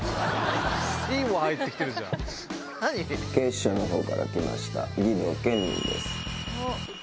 警視庁のほうから来ました儀藤堅忍です。